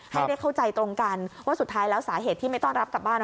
ให้ได้เข้าใจตรงกันว่าสุดท้ายแล้วสาเหตุที่ไม่ต้อนรับกลับบ้าน